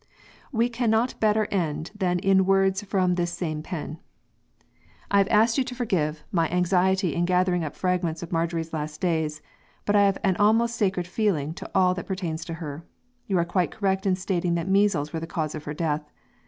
We cannot better end than in words from this same pen: "I have to ask you to forgive my anxiety in gathering up the fragments of Marjorie's last days, but I have an almost sacred feeling to all that pertains to her. You are quite correct in stating that measles were the cause of her death.